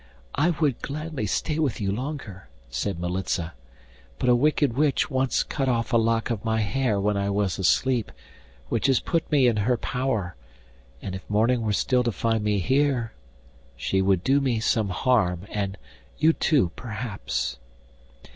'I would gladly stay with you longer,' said Militza, 'but a wicked witch once cut off a lock of my hair when I was asleep, which has put me in her power, and if morning were still to find me here she would do me some harm, and you, too, perhaps.